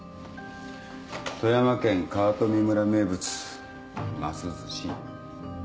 富山県川冨村名物ますずし。